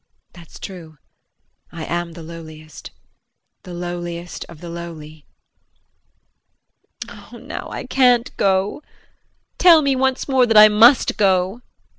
That's true, I am the lowliest the lowliest of the lowly. Oh, now I can't go. Tell me once more that I must go. JEAN.